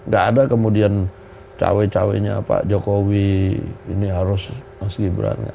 gak ada kemudian cawe cawe nya pak jokowi ini harus mas gibran